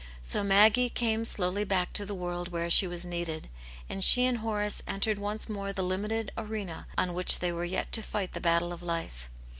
So Maggie came slowly back to the world where she was needed, and she and Horace entered once more the limited arena on which they were yet to (ight the battle of life.